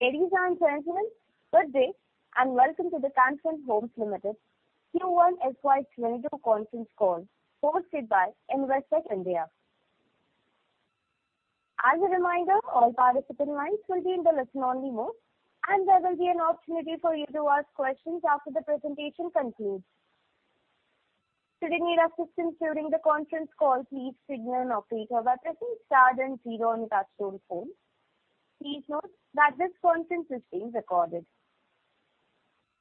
Ladies and gentlemen, good day and welcome to the Can Fin Homes Limited Q1 FY 2022 conference call hosted by Investec India. As a reminder, all participant lines will be in the listen-only mode, and there will be an opportunity for you to ask questions after the presentation concludes. Should you need assistance during the conference call, please signal an operator by pressing star and zero on your touch-tone phone. Please note that this conference is being recorded.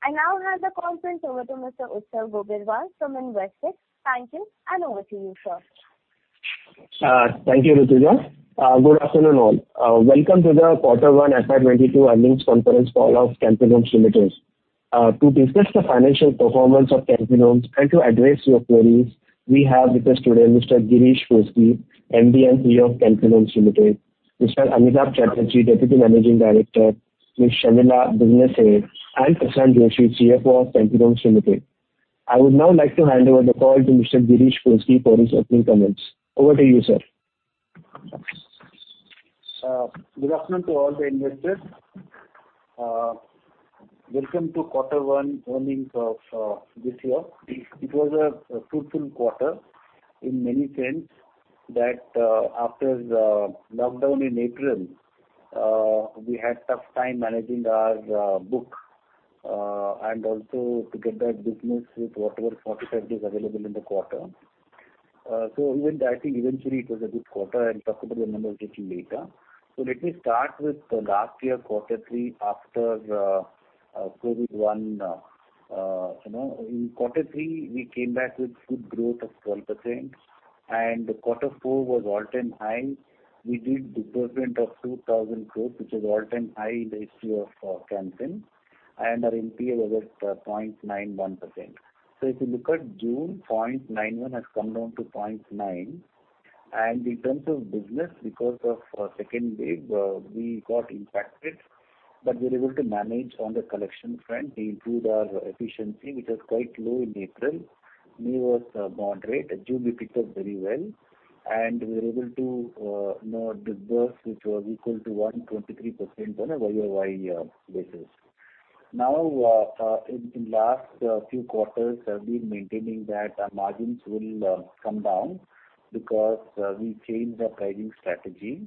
I now hand the conference over to Mr. Utpal Gaglani from Investec. Thank you, and over to you, sir. Thank you, Rutuja. Good afternoon all. Welcome to the Q1 FY22 earnings conference call of Can Fin Homes Limited. To discuss the financial performance of Can Fin Homes and to address your queries, we have with us today Mr. Girish Kousgi, MD & CEO of Can Fin Homes Limited, Mr. Anindya Chatterjee, Deputy Managing Director, Ms. Sharmila, Business Head, and Prashanth Joishy, CFO of Can Fin Homes Limited. I would now like to hand over the call to Mr. Girish Kousgi for his opening comments. Over to you, sir. Good afternoon to all the investors. Welcome to quarter one earnings of this year. It was a fruitful quarter in many senses that after the lockdown in April, we had tough time managing our book, and also to get that business with whatever profitability is available in the quarter. I think eventually it was a good quarter, and I'll talk about the numbers a little later. Let me start with last year, quarter three after COVID one. In quarter three, we came back with good growth of 12%, and quarter four was all-time high. We did disbursement of 2,000 crore, which was all-time high in the history of Can Fin, and our NPA was at 0.91%. If you look at June, 0.91% has come down to 0.9% In terms of business, because of second wave, we got impacted, but we were able to manage on the collection front. We improved our efficiency, which was quite low in April. May was moderate. June we picked up very well, and we were able to disburse, which was equal to 123% on a year-over-year basis. Now, in last few quarters, I've been maintaining that our margins will come down because we changed our pricing strategy,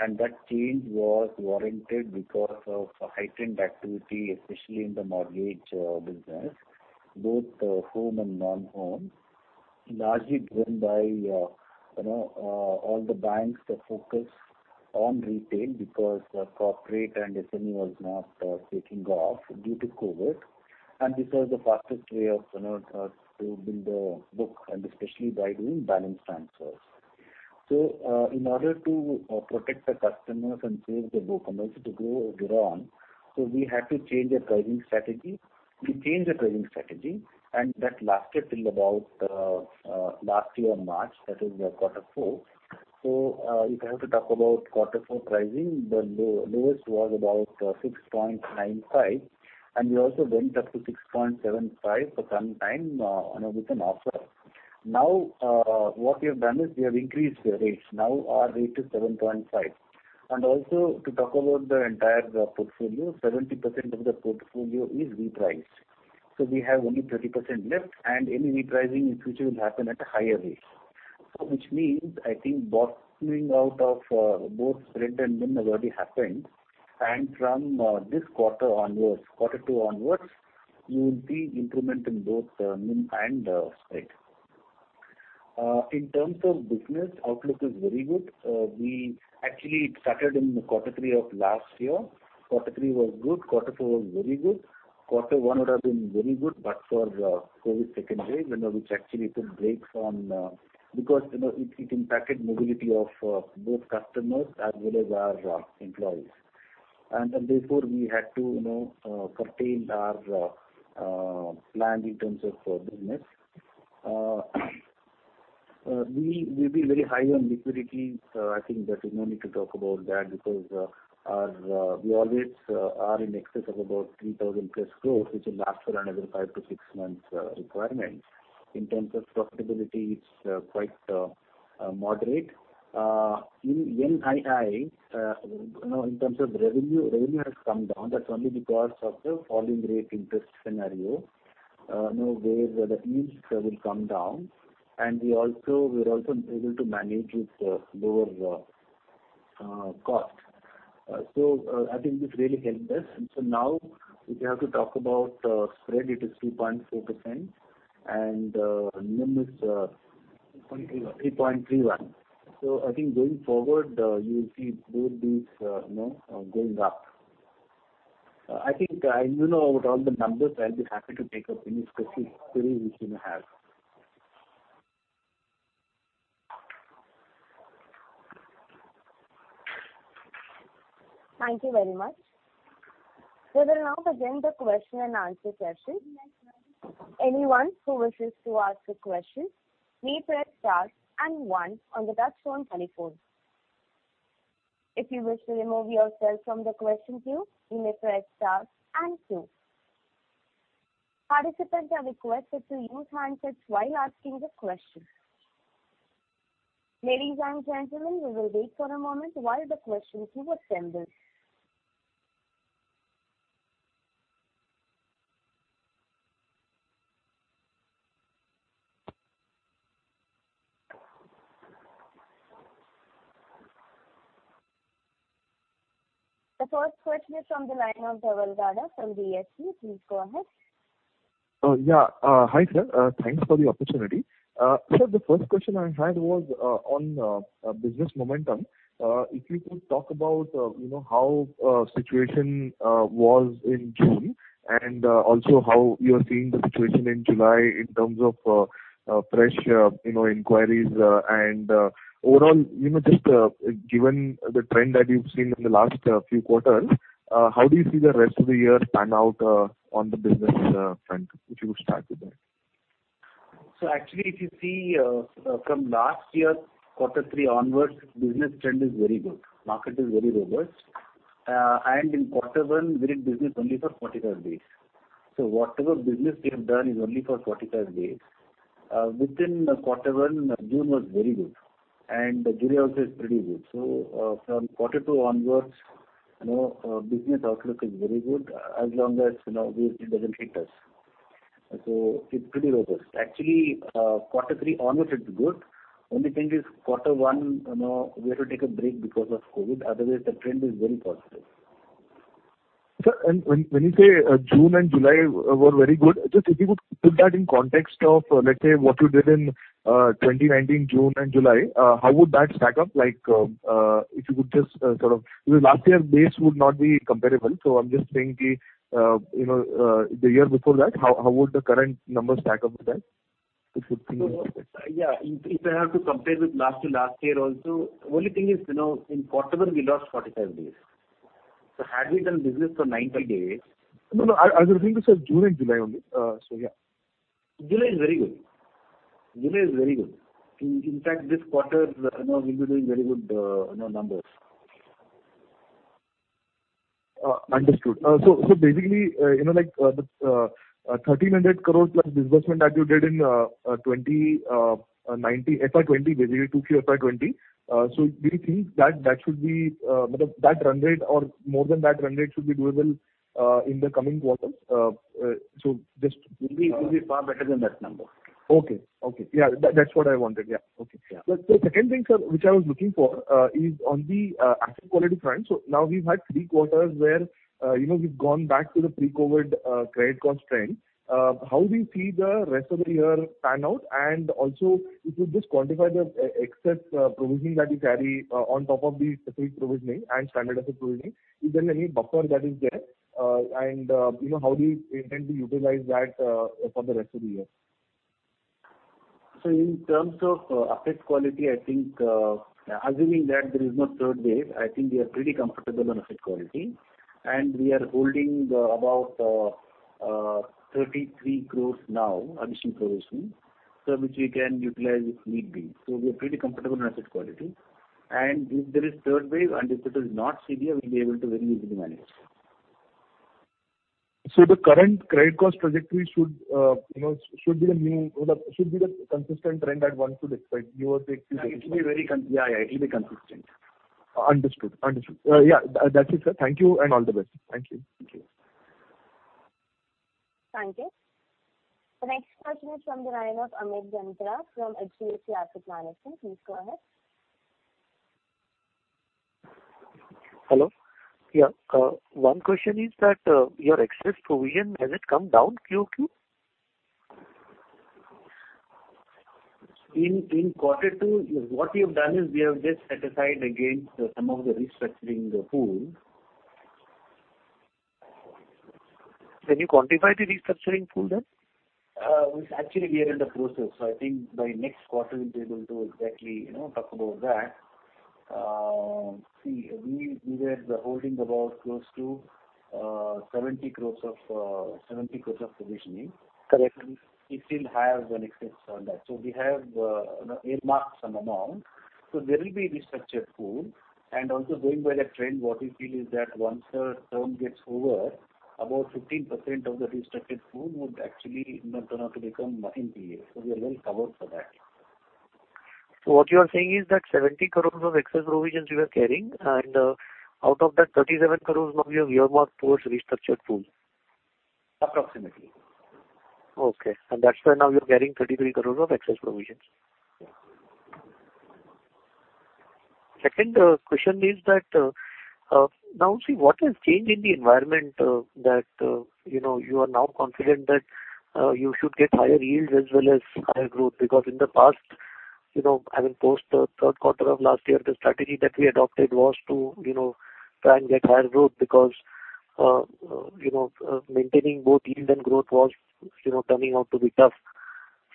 and that change was warranted because of heightened activity, especially in the mortgage business, both home and non-home, largely driven by all the banks focused on retail because corporate and SME was not taking off due to COVID, and this was the fastest way to build the book, and especially by doing balance transfers. In order to protect the customers and save the book, and also to grow We changed the pricing strategy and I am going to talk about it later on. So, we have to change the pricing strategy. We changed the pricing strategy and that lasted till about last year March, that is quarter 4. So, we have to talk about quarter 4 pricing, but though it was about 6.95 and we also went up to 6.75 for current time with an offer. Now, what we have done is we have increased the rates. Now, our rate is 7.5. And also, to talk about the entire portfolio, 70% of the portfolio is repriced. So, we have only 30% left and any repricing in future will happen at a higher rate. Which means, I think, bottoming out of both spread and NIM have already happened. And from this quarter onwards, quarter 2 onwards, you will see improvement in both NIM and spread. In terms of business, outlook is very good. We actually started in quarter 3 of last year. Quarter 3 was good, quarter 2 was bad. But for the Covid-19 pandemic, which actually could break form, because it impacted mobility of both customers as well as our employees. And therefore, we had to, you know, curtail our plan in terms of business. We may be very high on liquidity, I think there is no need to talk about that, because our wallets are in excess of about 3,000 cash flows, which will last for another five to six months requirement. In terms of profitability, it's quite, jn terms of revenue, revenue has come down. That's only because of the falling rate in this scenario. That means it has come down. And we are also entitled to magnitudes lower cost. So I think this really helped us. So now we have to talk about spread. It is 3.4% and limit is 3.31. So I think going forward, both these build up. I think I know all the numbers. I just have to pick up any specific theory which you may have. Thank you very much. We will now begin the question and answer session. Anyone who wishes to ask a question may press star one on the touch-tone telephone. If you wish to remove yourself from the question queue, you may press star two. Participants are requested to use handsets while asking the questions. Ladies and gentlemen, we will wait for a moment while the questions you assembled. The first question is from the line of Dhaval Gada from DSP Mutual Fund. Please go ahead. Hi, sir. Thanks for the opportunity. Sir, the first question I had was on business momentum. If you could talk about how situation was in June and also how you are seeing the situation in July in terms of fresh enquiries and overall, just given the trend that you've seen in the last few quarters, how do you see the rest of the year pan out on the business front? If you could start with that. Actually, if you see from last year quarter 3 onwards, business trend is very good. Market is very robust. In quarter 1, we did business only for 45 days. Whatever business we have done is only for 45 days. Within quarter 1, June was very good and July also is pretty good. From quarter 2 onwards, business outlook is very good, as long as it doesn't hit us. It's pretty robust. Actually, quarter 3 onwards it's good. Only thing is quarter 1, we had to take a break because of COVID. Otherwise, the trend is very positive. Sir, when you say June and July were very good, just if you could put that in context of, let's say, what you did in 2019 June and July, how would that stack up? Like, if you could just sort of last year base would not be comparable. I'm just saying the year before that, how would the current numbers stack up with that? If you think. Yeah. If I have to compare with last to last year also, only thing is, in quarter one, we lost 45 days. Had we done business for 90 days. No, I was referring to say June and July only. July is very good. In fact, this quarter, we'll be doing very good numbers. Understood. Basically, the INR 1,300 crore plus disbursement that you did in FY 2020, basically Q2 FY 2020. Do you think that run rate or more than that run rate should be doable in the coming quarters? We'll be far better than that number. Okay. Yeah, that's what I wanted. Yeah. Okay. Yeah. The second thing, sir, which I was looking for is on the asset quality front. Now we've had three quarters where we've gone back to the pre-COVID credit cost trend. How do you see the rest of the year pan out? Also if you could just quantify the excess provisioning that you carry on top of the specific provisioning and standard asset provisioning. Is there any buffer that is there? How do you intend to utilize that for the rest of the year? In terms of asset quality, I think assuming that there is no third wave, I think we are pretty comfortable on asset quality and we are holding about 33 crores now, additional provisioning, which we can utilize if need be. We are pretty comfortable on asset quality. If there is third wave, and if it is not severe, we'll be able to very easily manage. The current credit cost trajectory should be the consistent trend that one could expect year-over-year? Yeah, it'll be consistent. Understood. Yeah. That's it, sir. Thank you and all the best. Thank you. Thank you. The next question is from the line of Amit Ganatra from HDFC Asset Management. Please go ahead. Hello. Yeah. One question is that, your excess provision, has it come down QOQ? In quarter 2, what we have done is we have just set aside against some of the restructuring pool. Can you quantify the restructuring pool then? Actually, we are in the process. I think by next quarter, we'll be able to exactly talk about that. See, we were holding about close to 70 crore of provisioning. Correct. We still have an excess on that. We have earmarked some amount. There will be restructured pool. Also going by the trend, what we feel is that once the term gets over, about 15% of the restructured pool would actually turn out to become NPA. We are well covered for that. What you are saying is that 70 crores of excess provisions you are carrying, and out of that, 37 crores now you have earmarked towards restructured pool? Approximately. Okay. That's why now you're carrying 33 crores of excess provisions. Yeah. Second question is that now see what has changed in the environment that you are now confident that you should get higher yields as well as higher growth? Because in the past, I mean, post third quarter of last year, the strategy that we adopted was to try and get higher growth because maintaining both yield and growth was turning out to be tough.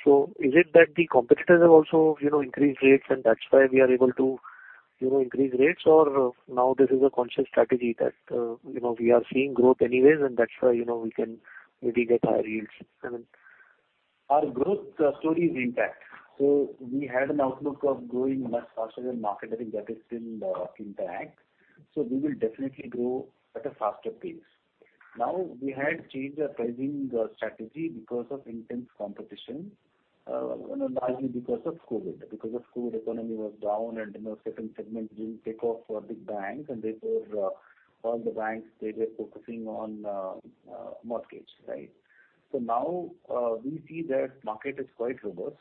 Is it that the competitors have also increased rates and that's why we are able to increase rates? Now this is a conscious strategy that we are seeing growth anyways and that's why we can maybe get higher yields? Our growth story is intact. We had an outlook of growing much faster than market and that is still intact. We will definitely grow at a faster pace. Now we had changed our pricing strategy because of intense competition and largely because of COVID. Because of COVID, economy was down and certain segments didn't take off for big banks, and therefore all the banks, they were focusing on mortgage. Now we see that market is quite robust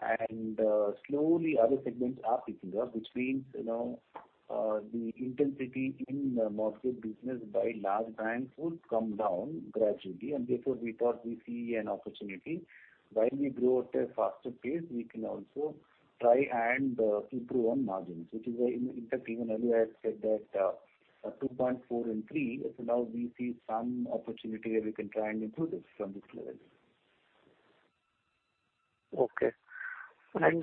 and slowly other segments are picking up, which means the intensity in mortgage business by large banks would come down gradually, and therefore we thought we see an opportunity. While we grow at a faster pace, we can also try and improve on margins, which is why, in fact, even earlier I said that 2.4% and 3%. Now we see some opportunity where we can try and improve this from this level. Okay.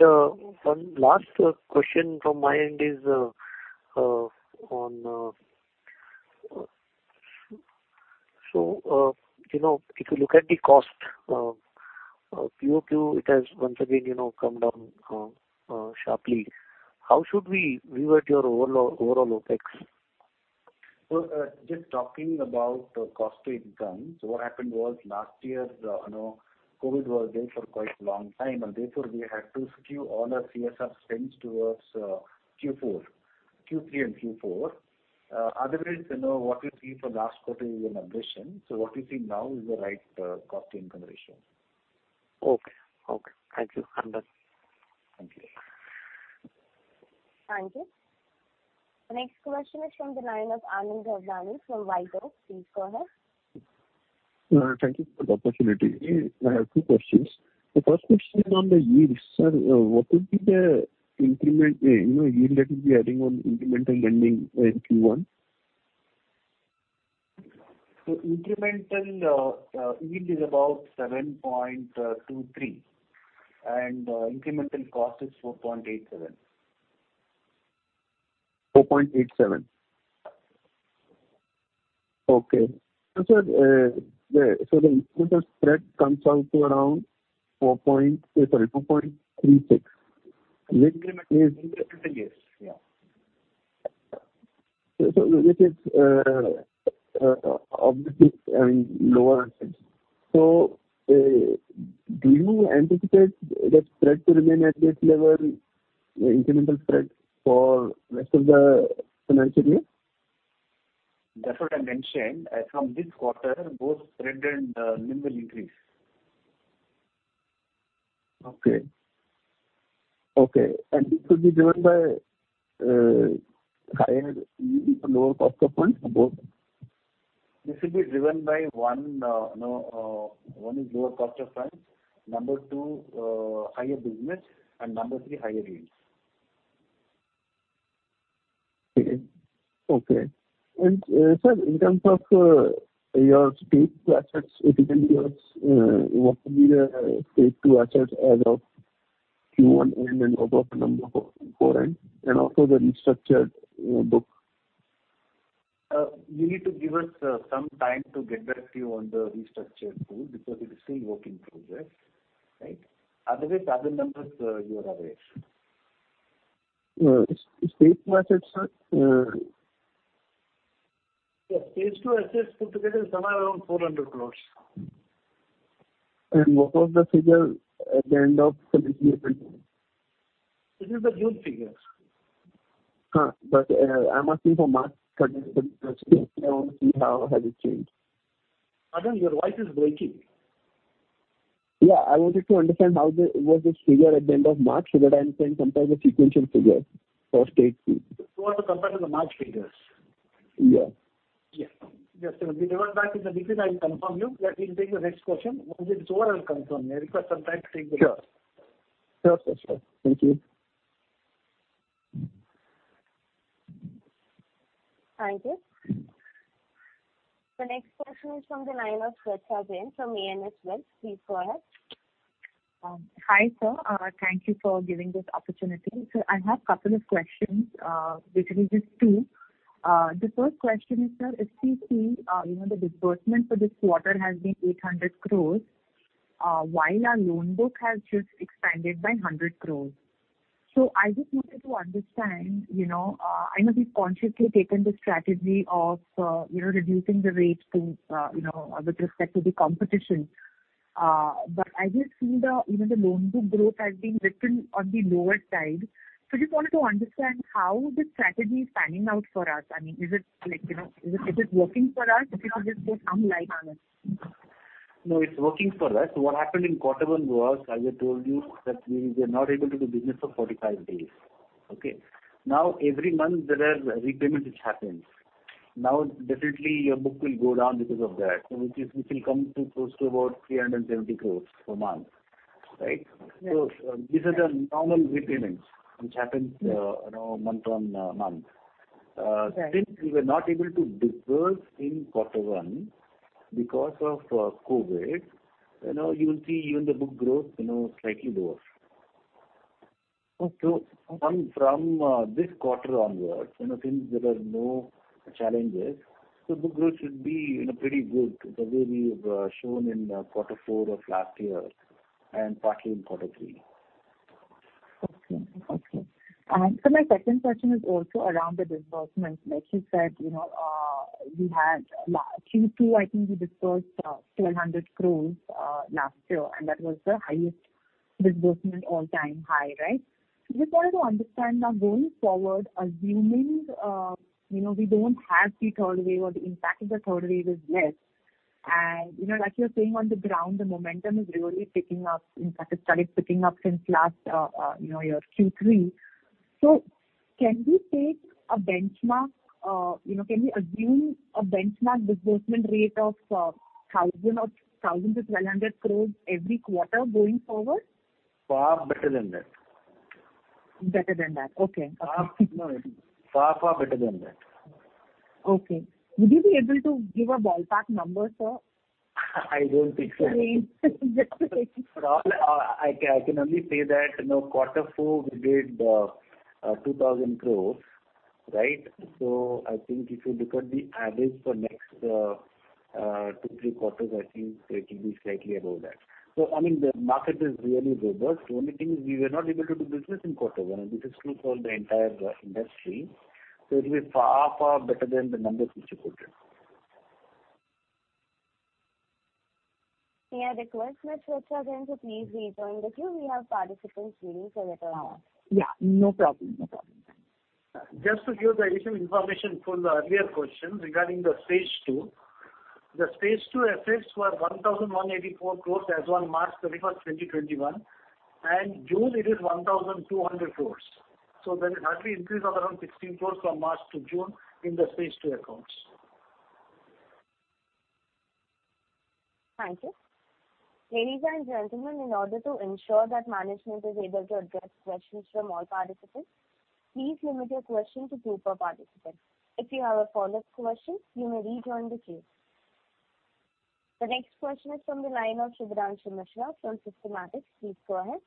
One last question from my end is, if you look at the cost, QOQ, it has once again come down sharply. How should we view at your overall OpEx? Just talking about cost-to-income. What happened was last year, COVID was there for quite a long time, and therefore we had to skew all our CSR spends towards Q3 and Q4. Otherwise, what you see for last quarter is an aberration. What you see now is the right cost-to-income ratio. Okay. Thank you. Understood. Thank you. Thank you. Next question is from the line of Anand Dhavdani from Emkay Global. Please go ahead. Thank you for the opportunity. I have two questions. The first question is on the yields. Sir, what would be the yield that will be adding on incremental lending in Q1? Incremental yield is about 7.23% and incremental cost is 4.87%. 4.87? Okay. The interest spread comes out to around 2.36. Incremental yield. Yes. This is obviously lower than since. Do you anticipate that spread to remain at this level, incremental spread, for rest of the financial year? That's what I mentioned. From this quarter, both spread and yield will increase. Okay. This will be driven by higher yield or lower cost of funds or both? This will be driven by 1 is lower cost of funds, number two, higher business, and number three, higher yields. Okay. Sir, in terms of your Stage 2 assets, particularly what will be the Stage 2 assets as of Q1 end and about number for end, and also the restructured book? You need to give us some time to get that to you on the restructured book because it is still work in progress. Other than that, the numbers you are aware. Stage 2 assets, sir? Yes, Stage 2 assets put together is somewhere around 400 crores. What was the figure at the end of February? It is the huge figure. I'm asking for March 31st. I want to see how has it changed. Pardon? Your voice is breaking. I wanted to understand what was this figure at the end of March so that I can compare the sequential figure for Stage 2. You want to compare to the March figures? Yeah. Yeah. Yes, sir. We'll revert back in the week and I'll confirm you. Please take your next question. Once it's over, I'll confirm. May I request some time to take the number? Sure. Thank you. Thank you. The next question is from the line of Sweta Jain from ANS Wealth. Please go ahead. Hi, sir. Thank you for giving this opportunity. I have two questions, literally just two. The first question is, sir, if we see the disbursement for this quarter has been 800 crores, while our loan book has just expanded by 100 crores. I just wanted to understand, I know we've consciously taken this strategy of reducing the rates with respect to the competition. I just see the loan book growth has been little on the lower side. Just wanted to understand how this strategy is panning out for us. I mean, is it working for us? If you could just shed some light on it. No, it's working for us. What happened in quarter one was, as I told you, that we were not able to do business for 45 days. Every month there are repayments which happens. Definitely your book will go down because of that, which will come to close to about 370 crores per month. These are the normal repayments which happens month on month. Right. We were not able to disperse in quarter one because of COVID, you will see even the book growth slightly lower. Okay. From this quarter onwards, since there are no challenges, so book growth should be pretty good the way we have shown in quarter four of last year and partly in quarter three. Okay. My second question is also around the disbursements. Like you said, I think you disbursed 1,200 crores last year, and that was the highest disbursement, all-time high, right? Just wanted to understand now going forward, assuming we don't have the third wave or the impact of the third wave is less. Like you're saying, on the ground, the momentum is really picking up. In fact, it started picking up since last year, Q3. Can we assume a benchmark disbursement rate of 1,000-1,200 crores every quarter going forward? Far better than that. Better than that. Okay. Far, far better than that. Okay. Would you be able to give a ballpark number, sir? I don't think so. I can only say that quarter 4 we did 2,000 crores. I think if you look at the average for next 2, 3 quarters, I think it will be slightly above that. The market is really robust. The only thing is we were not able to do business in quarter 1. This is true for the entire industry. It will be far, far better than the numbers which you quoted. May I request, Ms. Sweta Jain to please rejoin the queue. We have participants waiting for a little while. Yeah, no problem. Just to give a little information for the earlier question regarding the Stage 2. The Stage 2 assets were 1,184 crore as on March 31st, 2021, and June it is 1,200 crore. There is hardly increase of around 16 crore from March to June in the Stage 2 accounts. Thank you. Ladies and gentlemen, in order to ensure that management is able to address questions from all participants, please limit your question to two per participant. If you have a follow-up question, you may rejoin the queue. The next question is from the line of Shubhranshu Mishra from Systematix. Please go ahead.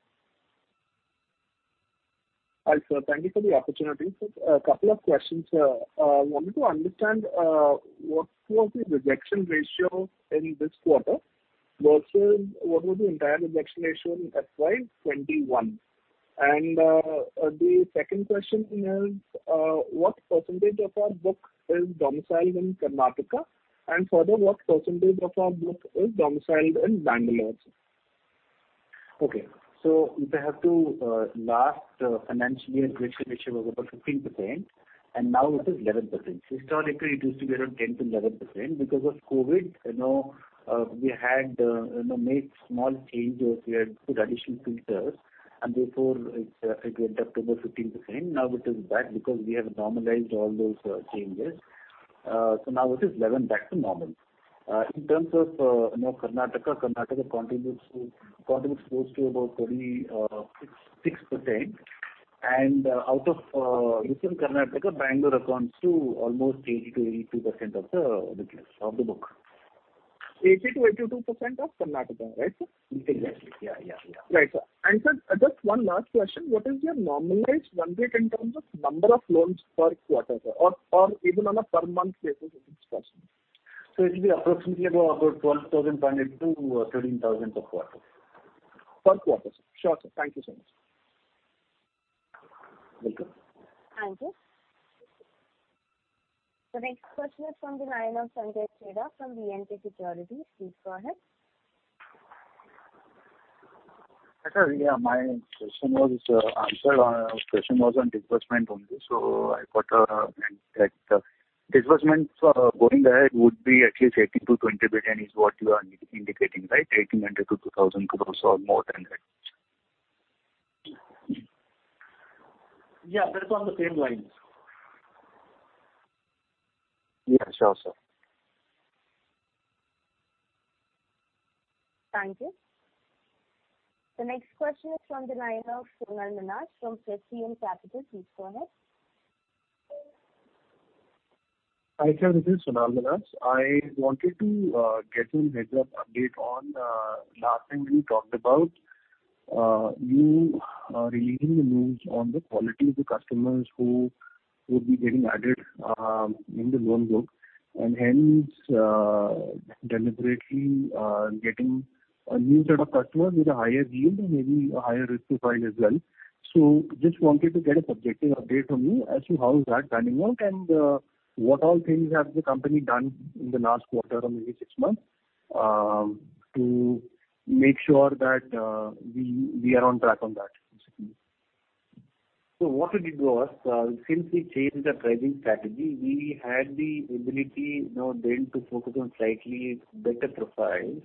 Hi, sir. Thank you for the opportunity. Two questions. I wanted to understand what was the rejection ratio in this quarter, and also what was the entire rejection ratio in FY 2021? The second question is, what percentage of our book is domiciled in Karnataka? Further, what percentage of our book is domiciled in Bangalore, sir? If I have to, last financial year rejection ratio was about 15%, and now it is 11%. Historically, it used to be around 10%-11%. Because of COVID, we had made small changes. We had put additional filters. Therefore, it went up to the 15%. Now it is back because we have normalized all those changes. Now it is 11%, back to normal. In terms of Karnataka contributes close to about 36%. Within Karnataka, Bangalore accounts to almost 80%-82% of the book. 80%-82% of Karnataka, right? Exactly. Yeah. Right. Sir, just 1 last question. What is your normalized run rate in terms of number of loans per quarter, or even on a per month basis if it's possible? It will be approximately about 12,500-13,000 per quarter. Per quarter. Sure, sir. Thank you so much. Welcome. Thank you. The next question is from the line of Sanjay Seda from VNT Securities. Please go ahead. Yeah. My question was on disbursement only. I got that disbursements going ahead would be at least 18 billion-20 billion, is what you are indicating. 1,800 crore-2,000 crore or more than that. Yeah. That's on the same lines. Yeah, sure, sir. Thank you. The next question is from the line of Sonal Menas from Prescient Capital. Please go ahead. Hi, sir, this is Sonal Menas. I wanted to get a heads-up update on last time we talked about you releasing the news on the quality of the customers who would be getting added in the loan book, and hence deliberately getting a new set of customers with a higher yield and maybe a higher risk profile as well. Just wanted to get a subjective update from you as to how is that panning out, and what all things has the company done in the last quarter or maybe six months to make sure that we are on track on that basically. What we did was, since we changed the pricing strategy, we had the ability now then to focus on slightly better profiles.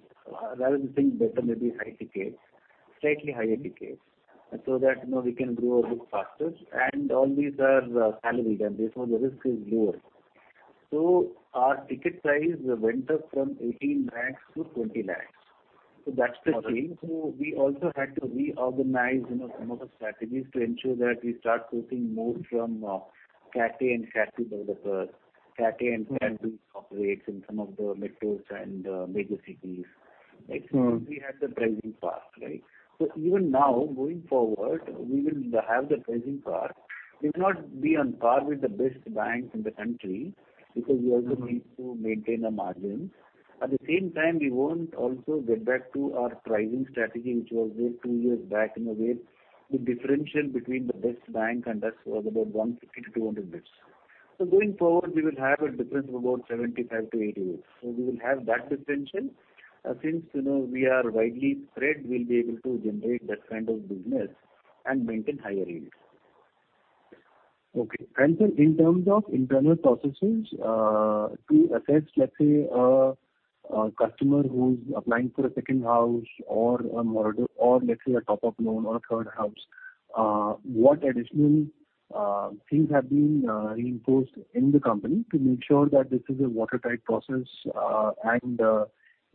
Rather than saying better, maybe high ticket, slightly higher ticket, so that we can grow a bit faster and all these are salaried and therefore the risk is lower. Our ticket size went up from 18 lakhs to 20 lakhs. That's the change. We also had to reorganize some of the strategies to ensure that we start sourcing more from CAT A and CAT B developers, CAT A and CAT B corporates in some of the metros and major cities. We had the pricing power. Even now going forward, we will have the pricing power. We will not be on par with the best banks in the country because we also need to maintain our margins. At the same time, we won't also get back to our pricing strategy, which was there two years back in a way the differential between the best bank and us was about 150 to 200 basis points. Going forward, we will have a difference of about 75 to 80 basis points. We will have that distinction. Since we are widely spread, we'll be able to generate that kind of business and maintain higher yields. Okay. Sir, in terms of internal processes to assess, let's say, a customer who's applying for a second house or a mortgage, or let's say, a top-up loan or a third house, what additional things have been reinforced in the company to make sure that this is a watertight process?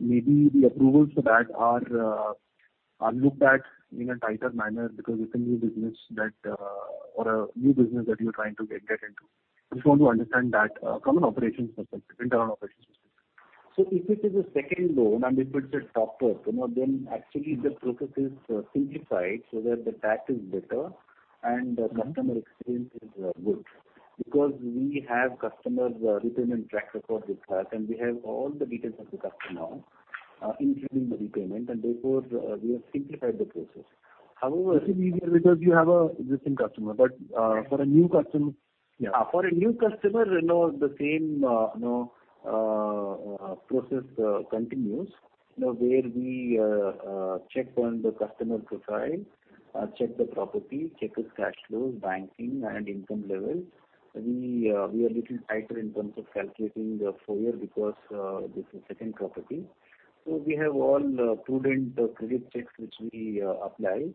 Maybe the approvals for that are looked at in a tighter manner because it's a new business that you're trying to get into. I just want to understand that from an internal operations perspective. If it is a second loan and if it's a top-up, then actually the process is simplified so that the track is better and the customer experience is good. We have customers' repayment track record with us, and we have all the details of the customer, including the repayment, and therefore we have simplified the process. This is easier because you have an existing customer, but for a new customer. For a new customer, the same process continues, where we check on the customer profile, check the property, check his cash flows, banking, and income levels. We are a little tighter in terms of calculating the FOIR because this is second property. We have all prudent credit checks which we apply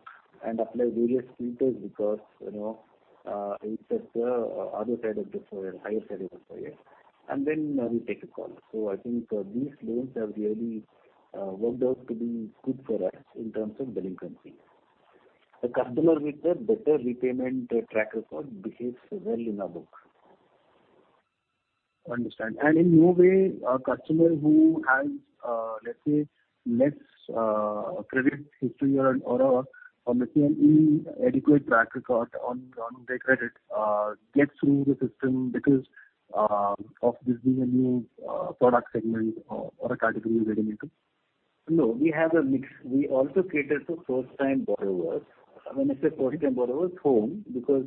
and apply various filters because it's at the other side of the FOIR, higher side of the FOIR. Then we take a call. I think these loans have really worked out to be good for us in terms of delinquency. A customer with a better repayment track record behaves well in our book. Understand. In no way a customer who has, let's say, less credit history or let's say, an inadequate track record on their credit gets through the system because of this being a new product segment or a category you're getting into? No. We have a mix. We also cater to first-time borrowers. When I say first-time borrowers, home, because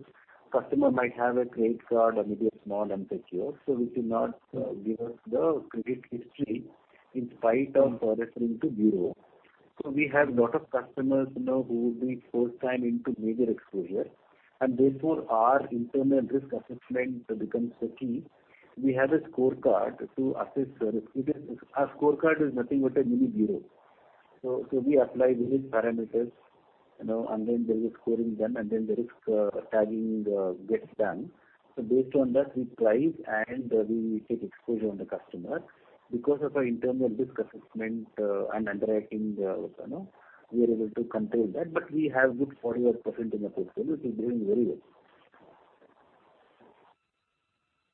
customer might have a credit card or maybe a small unsecured, which will not give us the credit history in spite of referring to bureau. We have lot of customers who would be first-time into major exposure, and therefore our internal risk assessment becomes the key. We have a scorecard to assess risk. Our scorecard is nothing but a mini bureau. We apply various parameters, and then there is a scoring done, and then the risk tagging gets done. Based on that, we price and we take exposure on the customer. Because of our internal risk assessment and underwriting, we are able to contain that, but we have good 40% in the portfolio which is doing very well.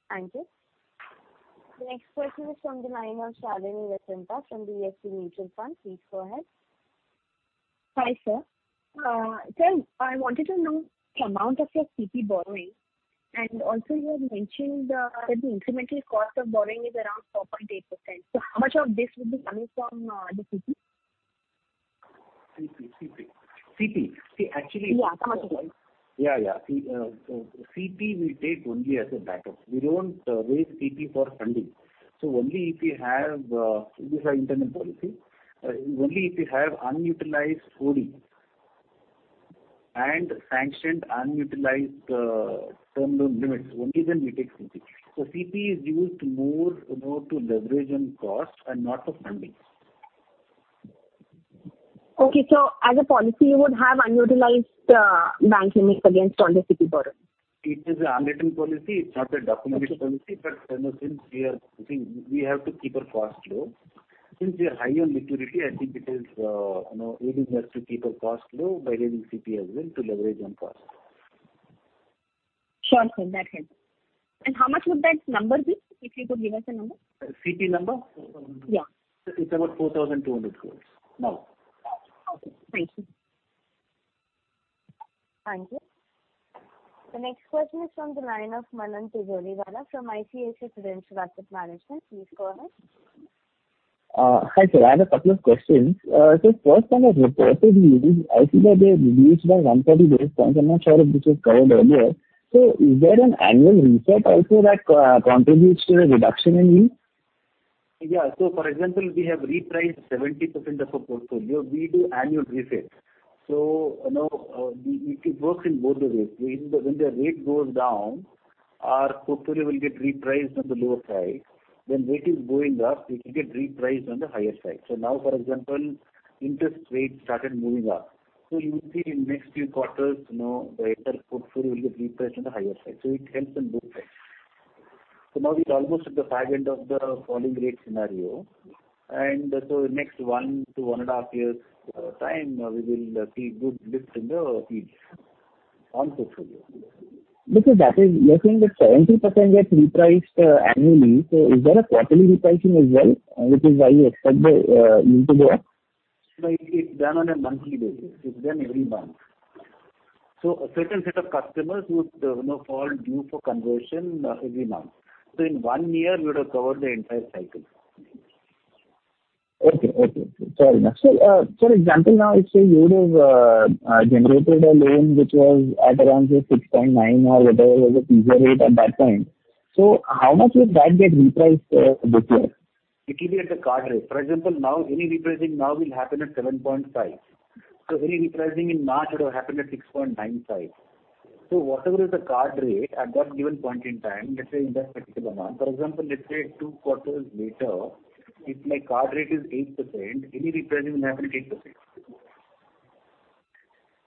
Thank you. The next question is from the line of Shalini Nayak from BFSI Mutual Fund. Please go ahead. Hi, sir. Sir, I wanted to know the amount of your CP borrowing, and also you had mentioned that the incremental cost of borrowing is around 4.8%. How much of this would be coming from the CP? See. Yeah. Yeah. See, CP we take only as a backup. We don't raise CP for funding. This is our internal policy. Only if we have unutilized OD and sanctioned unutilized term loan limits, only then we take CP. CP is used more to leverage on cost and not for funding. Okay. As a policy, you would have unutilized bank limits against on the CP borrow? It is an unwritten policy. It's not a documented policy. Since we have to keep our cost low, since we are high on liquidity, I think it is aiding us to keep our cost low by raising CP as well to leverage on cost. Sure, sir. That helps. How much would that number be, if you could give us a number? CP number? Yeah. It's about 4,200 crores now. Okay. Thank you. Thank you. The next question is from the line of Manan Tijoriwala from ICICI Prudential Asset Management. Please go ahead. Hi, sir. I have a couple of questions. First on the reported yields, I see that they reduced by 130 basis points. I'm not sure if this was covered earlier. Is there an annual reset also that contributes to the reduction in yield? For example, we have repriced 70% of our portfolio. We do annual resets. It works in both the ways. When the rate goes down, our portfolio will get repriced on the lower side. When rate is going up, it will get repriced on the higher side. Now, for example, interest rates started moving up. You will see in next few quarters, the entire portfolio will get repriced on the higher side. It helps in both ways. Now we're almost at the far end of the falling rate scenario. Next one to one and a half years time, we will see good lift in the fees on portfolio. You're saying that 70% gets repriced annually. Is there a quarterly repricing as well, which is why you expect the yield to go up? No, it's done on a monthly basis. It's done every month. A certain set of customers who fall due for conversion every month. In one year, we would have covered the entire cycle. Okay. Sorry. For example now, if say you would have generated a loan which was at around, say 6.9 or whatever was the teaser rate at that point, so how much would that get repriced this year? It will be at the card rate. For example, now any repricing now will happen at 7.5%. Any repricing in March would have happened at 6.95%. Whatever is the card rate at that given point in time, let's say in that particular month. For example, let's say two quarters later, if my card rate is 8%, any repricing will happen 8%.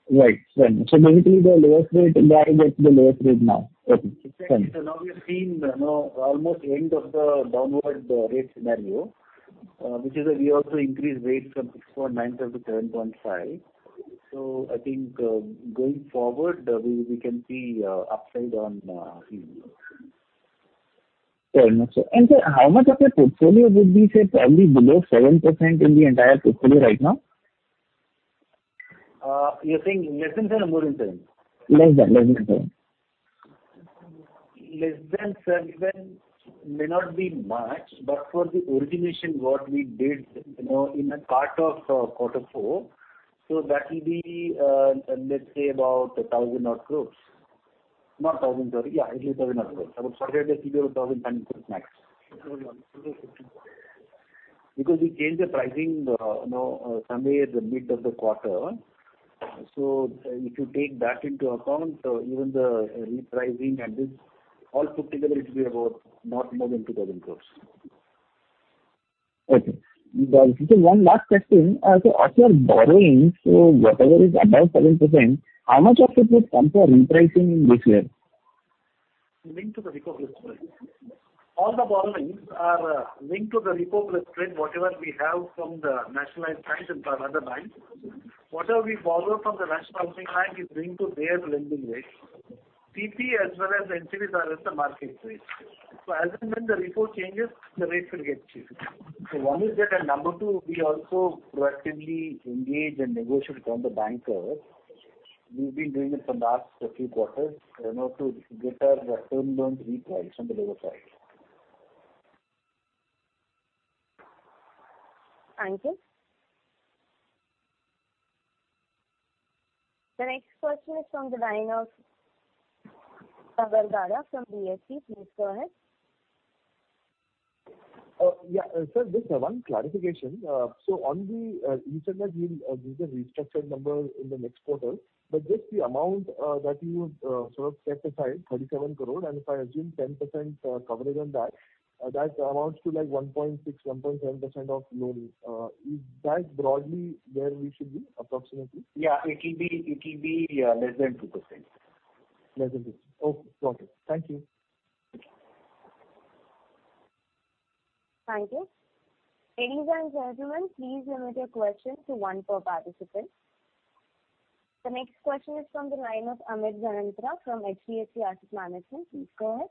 Right. basically the lowest rate will aggregate to the lowest rate now. Okay. Exactly. Now we are seeing almost end of the downward rate scenario, which is why we also increased rates from 6.95 to 7.5. I think going forward, we can see upside on these loans. Sir, how much of your portfolio would be, say probably below 7% in the entire portfolio right now? You're saying less than seven or more than seven? Less than seven. Less than seven may not be much, but for the origination what we did in a part of quarter four, that will be, let's say about 1,000 odd crores. Not 1,000, sorry. Yeah, it will be 1,000 odd crores. About 750 to 1,000 crores max. Because we changed the pricing somewhere in the mid of the quarter. If you take that into account, even the repricing and this all put together, it will be about not more than 2,000 crores. Okay. Sir, one last question. As you are borrowing, whatever is above 7%, how much of it would come for repricing in this year? Linked to the repo plus rate. All the borrowings are linked to the repo+rate, whatever we have from the nationalized banks and some other banks. Whatever we borrow from the national bank is linked to their lending rates. CP as well as NCDs are at the market rates. As and when the repo changes, the rates will get changed. One is that, and number two, we also proactively engage and negotiate on the bank side. We've been doing it for last few quarters in order to get our term loans repriced on the lower side. Thank you. The next question is from the line of Sagar Daga from B&K. Please go ahead. Sir, just one clarification. On the, you said that you'll give the restructured number in the next quarter, but just the amount that you sort of set aside 37 crore, and if I assume 10% coverage on that amounts to like 1.6%-1.7% of loans. Is that broadly where we should be approximately? Yeah. It will be less than 2%. Less than two. Okay. Got it. Thank you. Thank you. Ladies and gentlemen, please limit your questions to one per participant. The next question is from the line of Amit Ganatra from HDFC Asset Management. Please go ahead.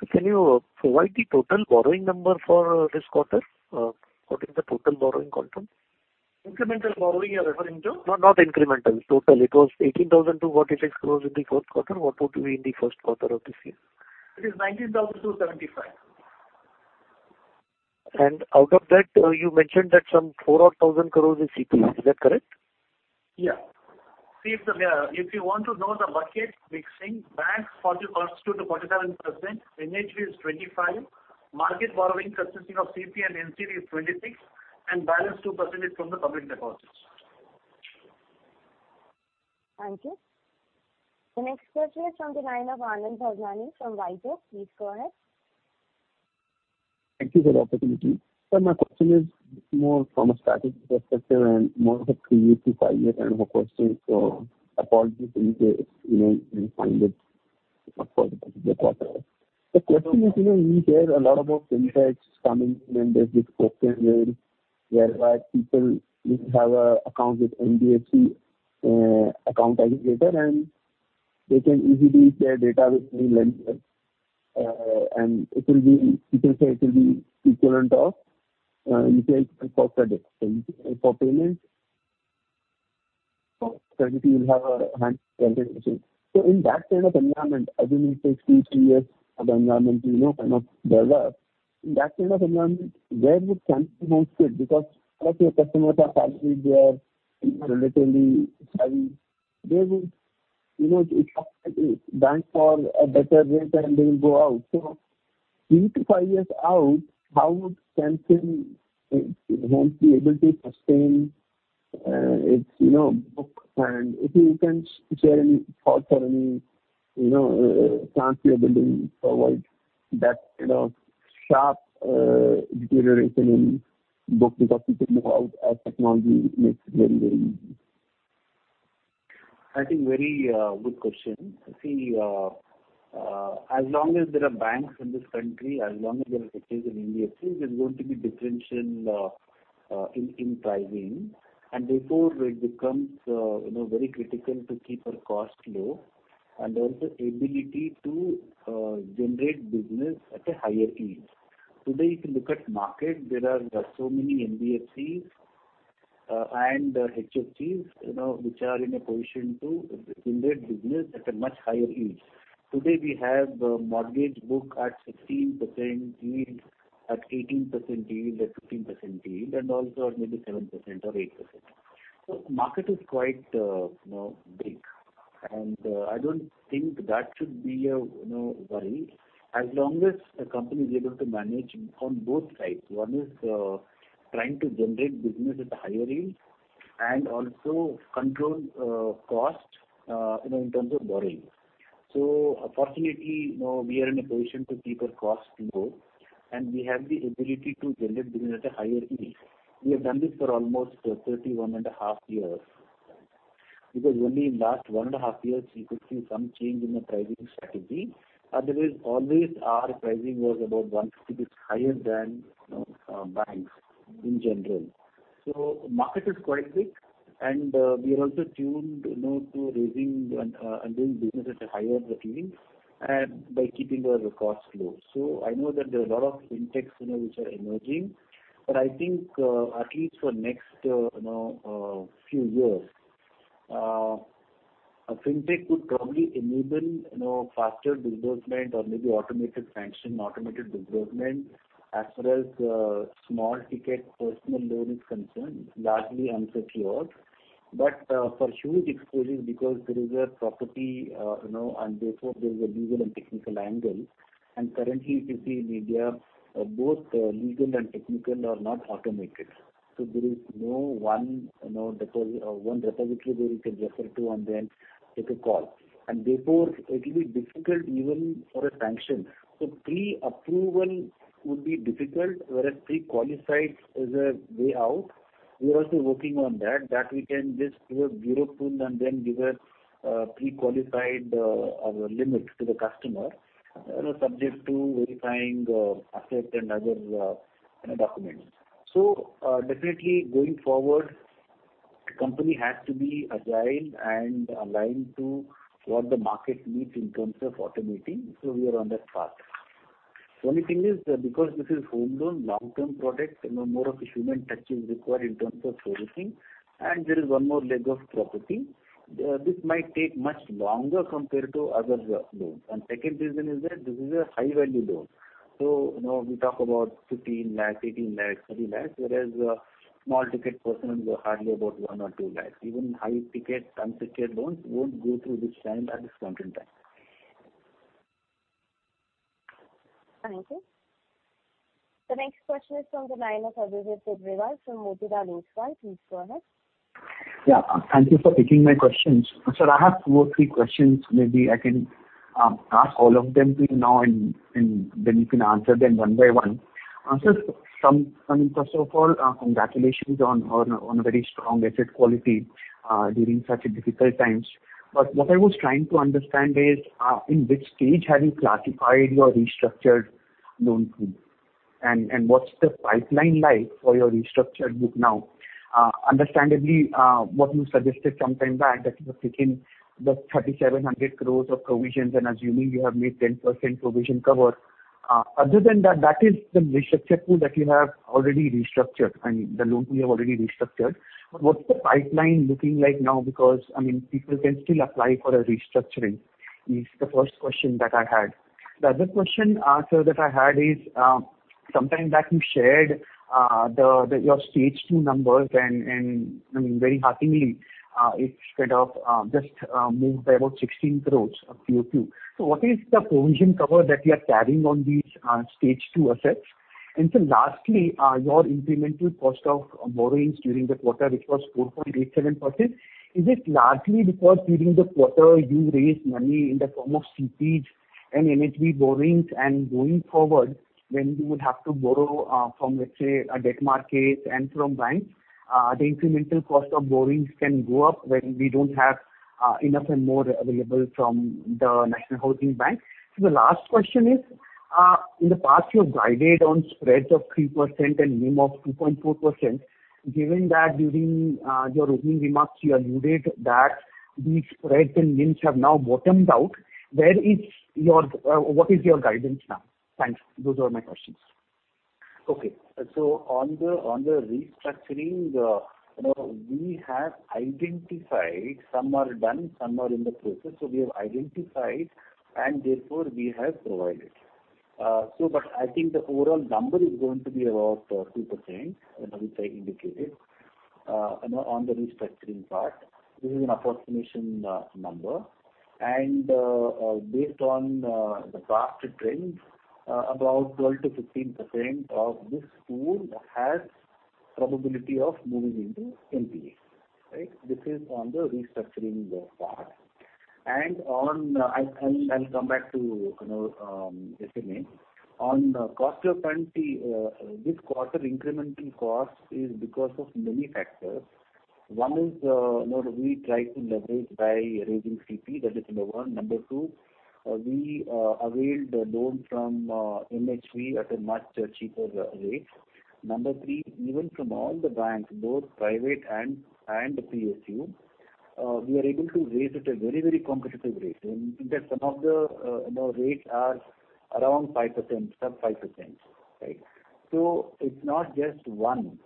Sir, can you provide the total borrowing number for this quarter? What is the total borrowing quantum? Incremental borrowing you're referring to? No, not incremental. Total. It was 18,246 crores in the fourth quarter. What would be in the first quarter of this year? It is 19,275. Out of that, you mentioned that some 4,000 odd crore is CP. Is that correct? Yeah. If you want to know the bucket mixing, banks constitute 47%, NHB is 25%, market borrowing consisting of CP and NCD is 26%, balance 2% is from the public deposits. Thank you. The next question is from the line of Anand Bhadani from JM Financial. Please go ahead. Thank you for the opportunity. Sir, my question is more from a strategic perspective and more of a three year to five year kind of a question. Apologies in case you find it not possible. The question is, we hear a lot about FinTechs coming in and there's this focus where people will have an account with NBFC account aggregator, and they can easily share data with any lender, and you can say it will be equivalent of UPI for credit. For payments, certainly you will have a hand. In that kind of environment, as in it takes two, three years for the environment to kind of develop. In that kind of environment, where would Can Fin Homes fit? A lot of your customers are probably they are relatively savvy. They would shop at a bank for a better rate, and they will go out. Three to five years out, how would Can Fin Homes be able to sustain its book? If you can share any thoughts or any plans you are building for why that sharp deterioration in book because people move out as technology makes it very, very easy. I think very good question. See, as long as there are banks in this country. Okay. Sorry. HFCs which are in a position to build business at a much higher yield. Today we have a mortgage book at 16% yield, at 18% yield, at 15% yield, and also maybe 7% or 8%. The market is quite big, and I don't think that should be a worry as long as a company is able to manage on both sides. One is trying to generate business at higher yield and also control cost in terms of borrowing. Fortunately, we are in a position to keep our costs low, and we have the ability to generate business at a higher yield. We have done this for almost 31 and a half years. Only in last one and a half years, you could see some change in the pricing strategy. Otherwise, always our pricing was about 150 basis points higher than banks in general. The market is quite big, and we are also tuned to raising and doing business at a higher yield and by keeping our costs low. I know that there are a lot of fintechs which are emerging, but I think at least for next few years, a fintech could probably enable faster disbursement or maybe automated sanction, automated disbursement as far as small ticket personal loan is concerned, largely unsecured. For huge exposures because there is a property and therefore there is a legal and technical angle, and currently if you see in India, both legal and technical are not automated. There is no one repository where you can refer to and then take a call. Therefore it will be difficult even for a sanction. Pre-approval would be difficult, whereas pre-qualified is a way out. We are also working on that we can just do a bureau pull and then give a pre-qualified limit to the customer, subject to verifying asset and other documents. Definitely going forward, the company has to be agile and aligned to what the market needs in terms of automating. We are on that path. The only thing is because this is home loan long-term product, more of a human touch is required in terms of servicing and there is one more leg of property. This might take much longer compared to other loans. Second reason is that this is a high-value loan. We talk about 15 lakhs, 18 lakhs, 20 lakhs, whereas small ticket personal is hardly about 1 or 2 lakhs. Even high-ticket unsecured loans won't go through this time at this point in time. Thank you. The next question is from the line of Abhijit Poddar from Motilal Oswal. Please go ahead. Yeah. Thank you for taking my questions. Sir, I have two or three questions, maybe I can ask all of them to you now and then you can answer them one by one. First of all, congratulations on a very strong asset quality during such difficult times. What I was trying to understand is, in which stage have you classified your restructured loan pool, and what's the pipeline like for your restructured book now? Understandably, what you suggested some time back that you have taken the 3,700 crore of provisions and assuming you have made 10% provision cover. Other than that is the restructure pool that you have already restructured and the loan pool you have already restructured. What's the pipeline looking like now? People can still apply for a restructuring. This is the first question that I had. The other question, sir, that I had is, some time back you shared your Stage 2 numbers and very hearteningly, it sort of just moved by about 16 crore of QOQ. What is the provision cover that you are carrying on these Stage 2 assets? Sir lastly, your incremental cost of borrowings during the quarter, which was 4.87%. Is it largely because during the quarter you raised money in the form of CP and NHB borrowings and going forward, when you would have to borrow from, let's say, a debt market and from banks the incremental cost of borrowings can go up when we don't have enough and more available from the National Housing Bank. The last question is, in the past you have guided on spreads of 3% and NIM of 2.4%. Given that during your opening remarks you alluded that these spreads and NIMs have now bottomed out, what is your guidance now? Thanks. Those are my questions. On the restructuring, we have identified some are done, some are in the process. We have identified and therefore we have provided. I think the overall number is going to be about 3%, which I indicated on the restructuring part. This is an approximation number. Based on the past trends, about 12%-15% of this pool has probability of moving into NPA. This is on the restructuring part. I'll come back to SMA. On cost of fund, this quarter incremental cost is because of many factors. One is we try to leverage by raising CP. That is number one. Number two, we availed loan from NHB at a much cheaper rate. Number three, even from all the banks, both private and PSU We are able to raise at a very competitive rate. In fact, some of the rates are around 5%, sub 5%. It's not just one,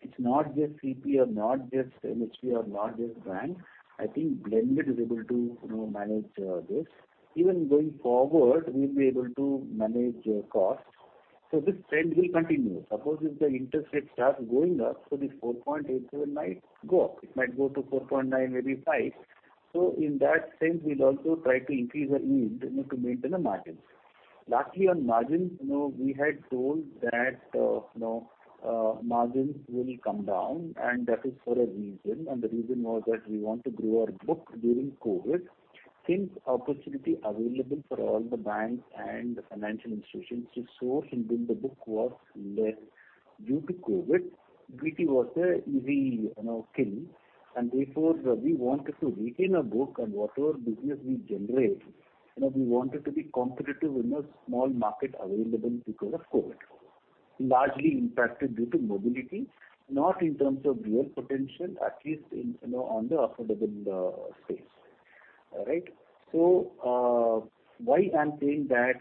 it's not just CP or not just NHB or not just bank. I think blended is able to manage this. Even going forward, we'll be able to manage cost. This trend will continue. Suppose if the interest rate starts going up, so this 4.87 might go up. It might go to four-nine, maybe five. In that sense, we'll also try to increase our yield to maintain the margins. Lastly, on margins, we had told that margins will come down, and that is for a reason, and the reason was that we want to grow our book during COVID. Since opportunity available for all the banks and financial institutions to source and build the book was less due to COVID, BT was a easy kill. Therefore, we wanted to retain our book and whatever business we generate, we wanted to be competitive in a small market available because of COVID. Largely impacted due to mobility, not in terms of real potential, at least on the affordable space. Why I'm saying that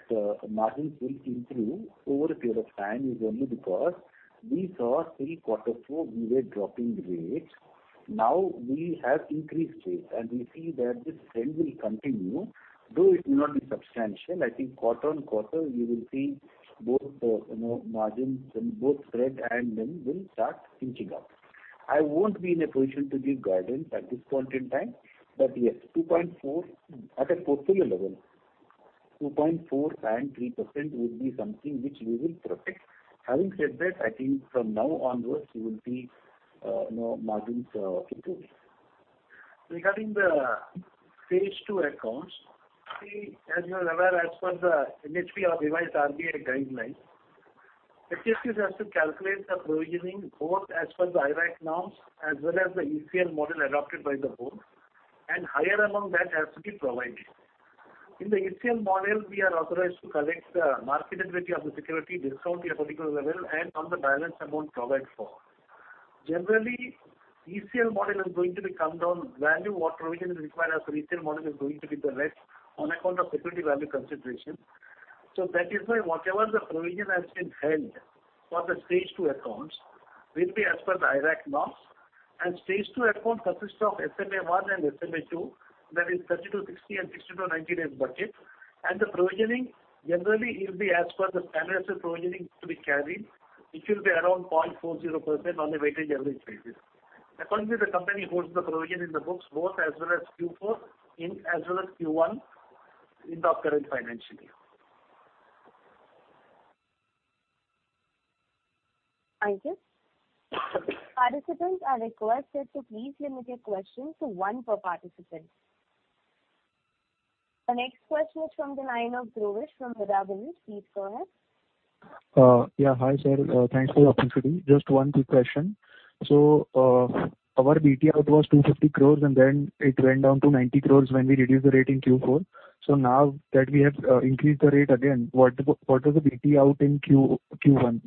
margins will improve over a period of time is only because we saw till quarter four, we were dropping rates. Now we have increased rates, and we see that this trend will continue, though it may not be substantial. I think quarter-on-quarter, you will see both margins and both spread and blend will start inching up. I won't be in a position to give guidance at this point in time. Yes, at a portfolio level, 2.4% and 3% would be something which we will protect. Having said that, I think from now onwards, you will see margins improving. Regarding the stage 2 accounts, see, as you are aware, as per the NHB or revised RBI guidelines, HFCs has to calculate the provisioning both as per the IRAC norms as well as the ECL model adopted by the board, and higher among that has to be provided. In the ECL model, we are authorized to collect the marketability of the security discount at a particular level and on the balance amount provide for. Generally, ECL model is going to be discounted value what provision is required as retail model is going to be based on account of security value consideration. That is why whatever the provision has been held for the Stage 2 accounts will be as per the IRAC norms. Stage 2 accounts consist of SMA-1 and SMA-2, that is 30-60 and 60-90 days bucket. The provisioning generally will be as per the standard asset provisioning to be carried, which will be around 0.40% on a weighted average basis. Accordingly, the company holds the provision in the books both as well as Q4 as well as Q1 in the current financial year. Thank you. Participants are requested to please limit your questions to one per participant. The next question is from the line of Dhruvesh from Mirae Asset. Please go ahead. Hi, sir. Thanks for the opportunity. Just one quick question. Our BT out was 250 crore, and then it went down to 90 crore when we reduced the rate in Q4. Now that we have increased the rate again, what is the BT out in Q1?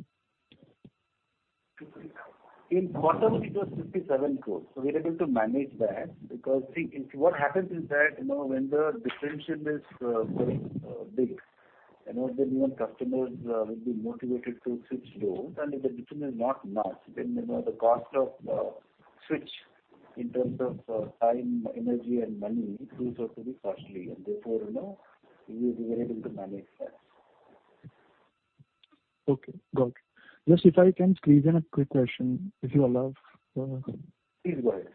In quarter one, it was 57 crores. We're able to manage that because, see, what happens is that, when the differential is very big, then even customers will be motivated to switch loans, and if the difference is not much, then the cost of switch in terms of time, energy, and money proves out to be costly, and therefore, we were able to manage that. Okay, got it. If I can squeeze in a quick question, if you allow? Please go ahead.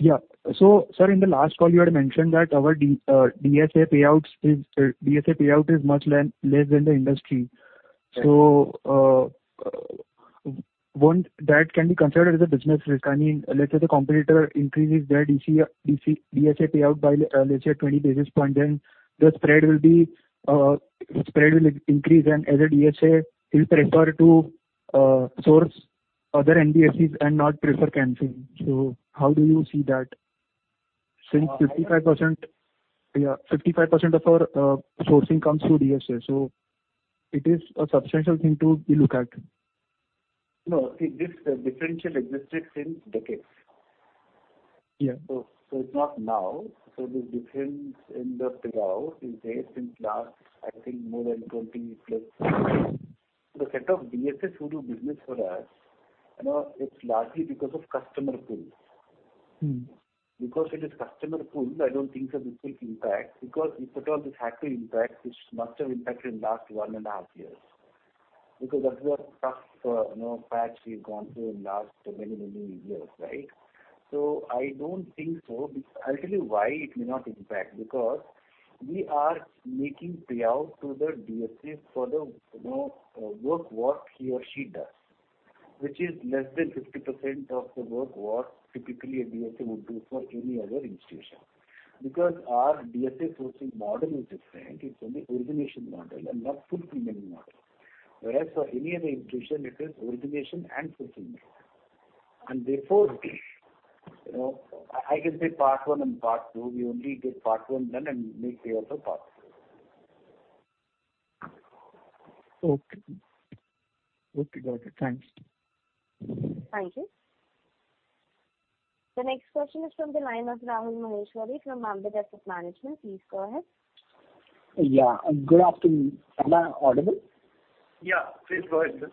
Yeah. Sir, in the last call, you had mentioned that our DSA payout is much less than the industry. Yes. Won't that can be considered as a business risk? I mean, let's say the competitor increases their DSA payout by, let's say, 20 basis point, then the spread will increase and as a DSA will prefer to source other NBFCs and not prefer Can Fin. How do you see that? Since 55% of our sourcing comes through DSA, so it is a substantial thing to look at. No. See, this differential existed since decades. Yeah. It's not now. This difference in the payout is there since last, I think, more than 20+years. The set of DSAs who do business with us, it's largely because of customer pool. Because it is customer pool, I don't think that this will impact because if at all this had to impact, this must have impacted in last 1.5 years because that was a tough patch we've gone through in last many years, right? I don't think so. I'll tell you why it may not impact, because we are making payout to the DSAs for the work what he or she does, which is less than 50% of the work what typically a DSA would do for any other institution. Our DSA sourcing model is different. It's only origination model and not fulfillment model. Whereas for any other institution, it is origination and fulfillment model. Therefore, I can say part one and part two. We only take part one done and make payout for part two. Okay. Got it. Thanks. Thank you. The next question is from the line of Rahul Maheshwari from Ambit Asset Management. Please go ahead. Yeah. Good afternoon. Am I audible? Yeah. Please go ahead, sir.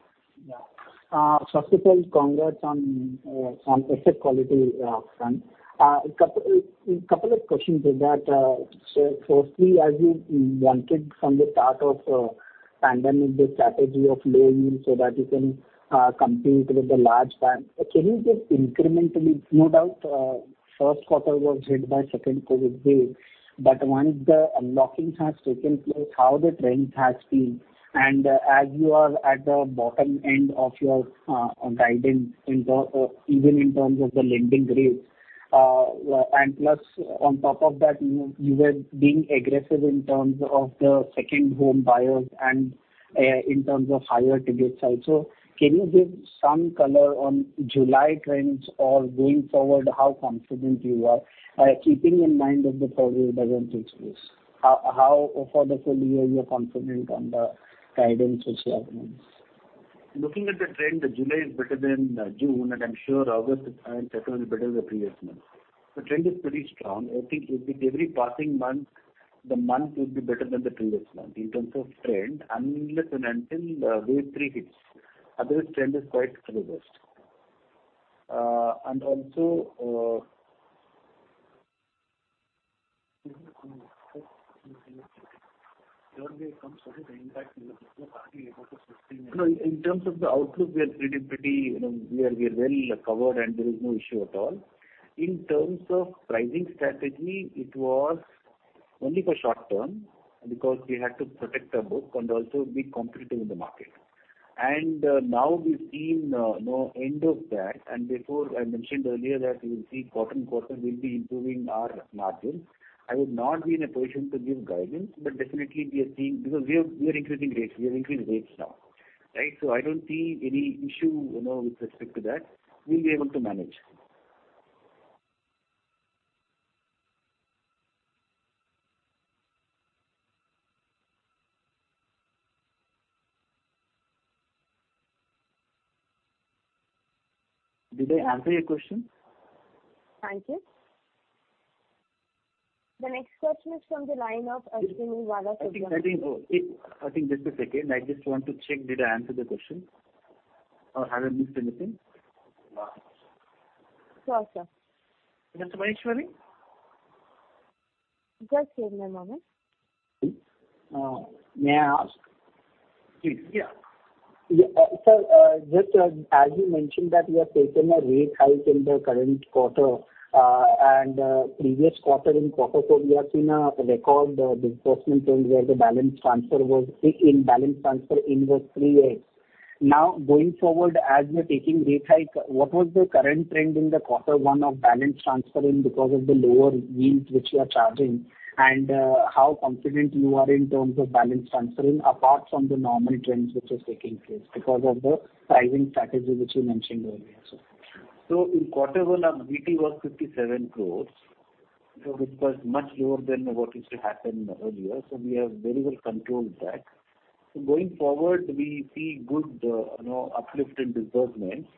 First of all, congrats on asset quality. A couple of questions with that. Firstly, as you wanted from the start of pandemic, the strategy of low yield so that you can compete with the large banks. Can you just incrementally, no doubt, first quarter was hit by second COVID wave, but once the unlockings have taken place, how the trend has been and as you are at the bottom end of your guidance, even in terms of the lending rates and plus on top of that, you were being aggressive in terms of the second home buyers and in terms of higher tickets also. Can you give some color on July trends or going forward, how confident you are, keeping in mind that the COVID doesn't take place? How for the full year you are confident on the guidance which you have mentioned? Looking at the trend, July is better than June. I'm sure August and September is better than the previous months. The trend is pretty strong. I think with every passing month, the month will be better than the previous month in terms of trend, unless and until wave three hits. Otherwise, trend is quite robust. Also, in terms of the outlook, we are well covered and there is no issue at all. In terms of pricing strategy, it was only for short term because we had to protect our book and also be competitive in the market. Now we've seen end of that. Before I mentioned earlier that you will see quarter on quarter we'll be improving our margins. I would not be in a position to give guidance. Because we are increasing rates now, right? I don't see any issue with respect to that. We'll be able to manage. Did I answer your question? Thank you. The next question is from the line of Ashwin Wadhwa from- I think just a second. I just want to check did I answer the question or have I missed anything? Sure, sir. Mr. Maheshwari? Just give me a moment. May I ask? Please, yeah. Sir, just as you mentioned that you have taken a rate hike in the current quarter, and previous quarter in quarter four, we have seen a record disbursement trend where the balance transfer in was three years. Going forward as you're taking rate hike, what was the current trend in the quarter one of balance transferring because of the lower yields which you are charging, and how confident you are in terms of balance transferring apart from the normal trends which are taking place because of the pricing strategy which you mentioned earlier, sir? In quarter one our BT was 57 crores, which was much lower than what used to happen earlier. We have very well controlled that. Going forward, we see good uplift in disbursements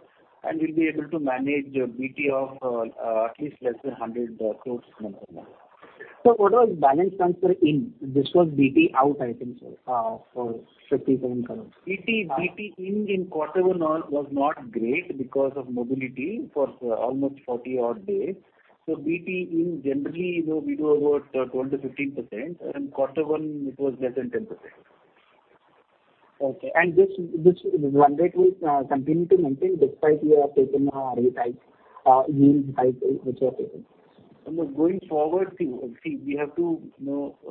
and we'll be able to manage a BT of at least less than 100 crores month-on-month. Sir, what was balance transfer in? This was BT out I think, sir, for 57 crores. BT in quarter one was not great because of mobility for almost 40 odd days. BT in generally we do about 12%-15%, and quarter one it was less than 10%. Okay. This one rate will continue to maintain despite you have taken a rate hike, yield hike which you have taken. Going forward, see, we have to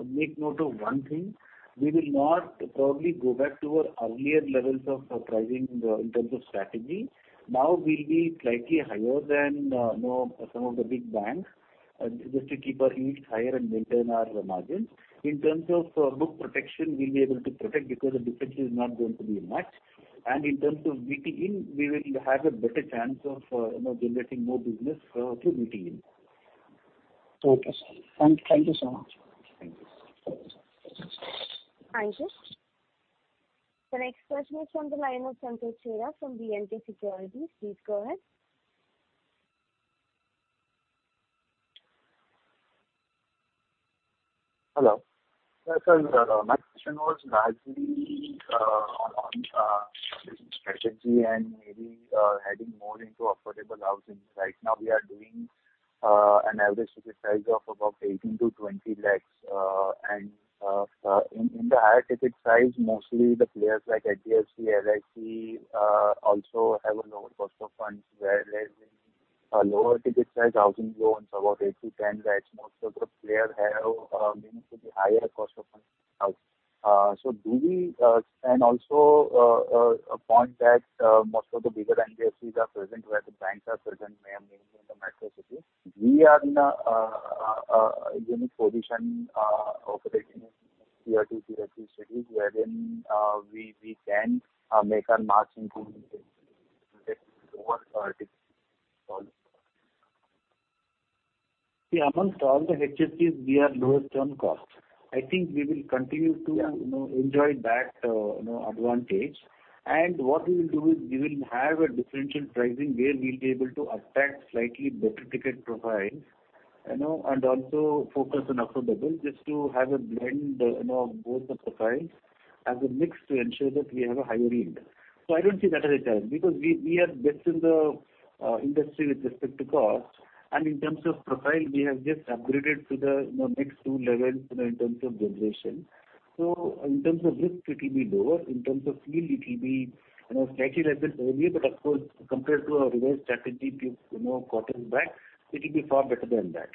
make note of one thing. We will not probably go back to our earlier levels of pricing in terms of strategy. Now we'll be slightly higher than some of the big banks just to keep our yields higher and maintain our margins. In terms of book protection, we'll be able to protect because the difference is not going to be much. In terms of BT in, we will have a better chance of generating more business through BT in. Okay, sir. Thank you so much. Thank you. Thank you. The next question is from the line of Santosh Chheda from VNT Securities. Please go ahead. Hello. Sir, my question was largely on business strategy and maybe heading more into affordable housing. Right now we are doing an average ticket size of about 18 lakh-20 lakh. In the higher ticket size, mostly the players like HDFC, LIC also have a lower cost of funds wherein in lower ticket size housing loans about 8 lakh-10 lakh, most of the players have mainly the higher cost of funds. Also a point that most of the bigger NBFCs are present where the banks are present, mainly in the metro cities. We are in a unique position operating in Tier 2, Tier 3 cities wherein we can make a marked improvement in lower ticket size loans. See, amongst all the HFCs, we are lowest on cost. I think we will continue to enjoy that advantage. What we will do is we will have a differential pricing where we'll be able to attract slightly better ticket profiles, and also focus on affordable just to have a blend of both the profiles as a mix to ensure that we have a higher yield. I don't see that as a challenge, because we are best in the industry with respect to cost. In terms of profile, we have just upgraded to the next 2 levels in terms of generation. In terms of risk, it will be lower. In terms of yield, it will be slightly less than earlier, but of course, compared to our reverse strategy, quarter back, it will be far better than that.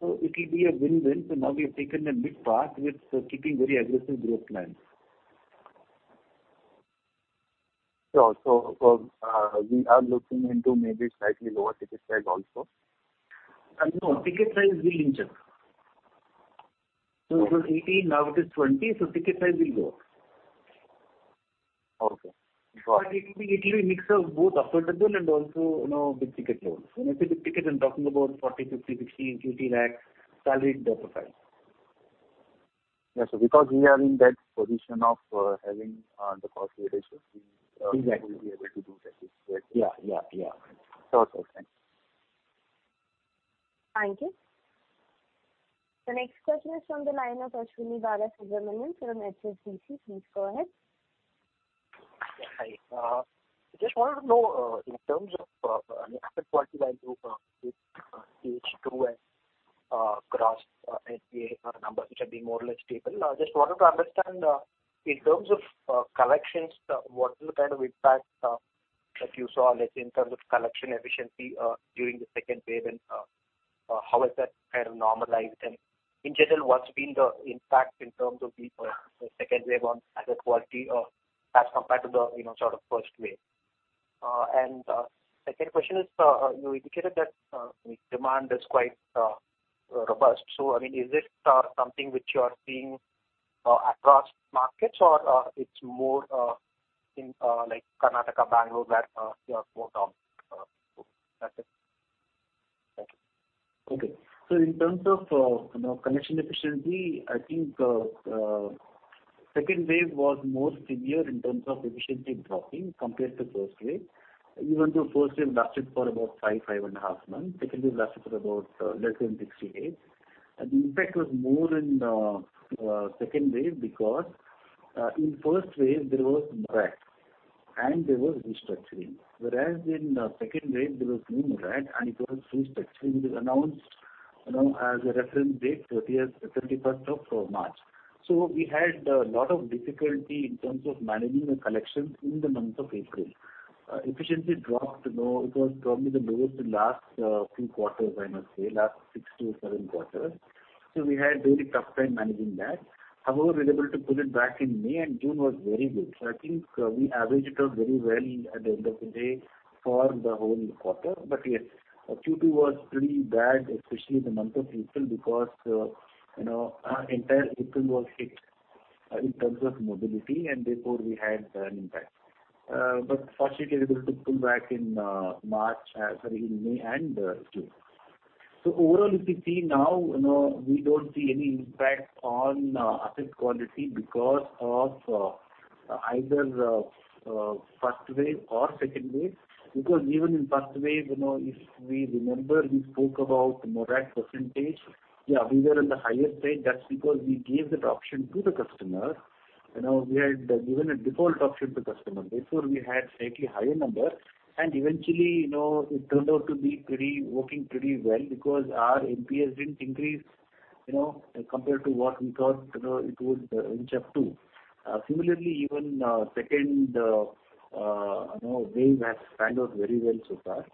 It will be a win-win. Now we have taken a mid path with keeping very aggressive growth plans. Sure. We are looking into maybe slightly lower ticket size also? No, ticket size will inch up. It was 18, now it is 20, so ticket size will go up. Okay. Got it. It will be a mix of both affordable and also big ticket loans. When I say big ticket, I'm talking about 40 lakh, INR 50 lakh, INR 60 lakh, INR 80 lakh salaried profile. Yeah. Because we are in that position of having the cost leadership. Exactly we will be able to do that. Is that right? Yeah. Sure. Thanks. Thank you. The next question is from the line of Ashwani Agarwal from HDFC. Please go ahead. Yeah. Hi. Just wanted to know in terms of asset quality, I do with SMA-2 and gross NPA numbers which are being more or less stable. Just wanted to understand in terms of collections, what is the kind of impact that you saw, like in terms of collection efficiency during the second wave and how is that kind of normalized? In general, what's been the impact in terms of the second wave on asset quality as compared to the first wave? Second question is you indicated that demand is quite robust. Is it something which you are seeing across markets or it's more in Karnataka, Bangalore where you have more offices? That's it. Thank you. Okay. In terms of collection efficiency, I think second wave was more severe in terms of efficiency dropping compared to first wave. Even though first wave lasted for about five and a half months, second wave lasted for about less than 60 days. The impact was more in the second wave because in first wave there was morat and there was restructuring, whereas in second wave there was no morat and it was restructuring which was announced as a reference date 31st of March. We had a lot of difficulty in terms of managing the collections in the month of April. Efficiency dropped. It was probably the lowest in last few quarters, I must say, last six to seven quarters. We had very tough time managing that. However, we were able to pull it back in May and June was very good. I think we averaged out very well at the end of the day for the whole quarter. Yes, Q2 was pretty bad, especially the month of April, because our entire April was hit in terms of mobility and therefore we had an impact. Fortunately, we were able to pull back in May and June. Overall, if you see now, we don't see any impact on asset quality because of either first wave or second wave. Even in first wave, if we remember, we spoke about morat percentage. We were at the highest rate. That's because we gave that option to the customer. We had given a default option to customer. Therefore, we had slightly higher number and eventually, it turned out to be working pretty well because our NPS didn't increase compared to what we thought it would inch up to. Similarly, even second wave has panned out very well so far.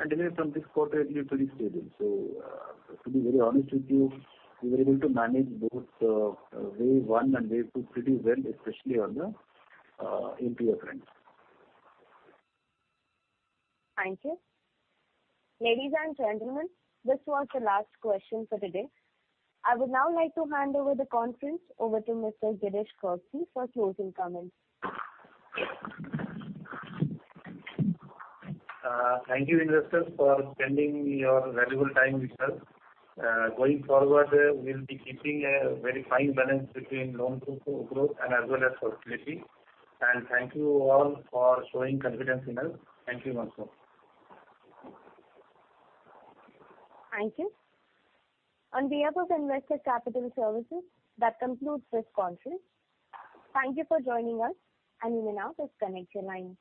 Anyway, from this quarter it will be pretty stable. To be very honest with you, we were able to manage both wave one and wave two pretty well, especially on the NPL front. Thank you. Ladies and gentlemen, this was the last question for today. I would now like to hand over the conference over to Mr. Girish Kousgi for closing comments. Thank you investors for spending your valuable time with us. Going forward, we'll be keeping a very fine balance between loan growth and as well as profitability. Thank you all for showing confidence in us. Thank you once more. Thank you. On behalf of Investec Capital Services, that concludes this conference. Thank you for joining us, and you may now disconnect your lines.